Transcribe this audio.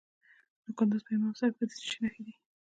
د کندز په امام صاحب کې د څه شي نښې دي؟